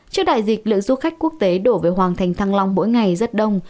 trước đại dịch lượng du khách quốc tế đổ về hoàng thành thăng long mỗi ngày rất đông